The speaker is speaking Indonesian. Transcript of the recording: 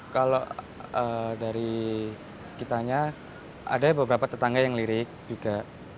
kalau dari kitanya ada beberapa tetangga yang lirik juga